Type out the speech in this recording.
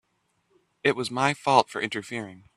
It was my fault for interfering.